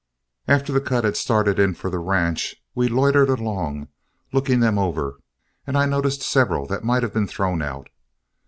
After the cut had started in for the ranch, we loitered along, looking them over, and I noticed several that might have been thrown out.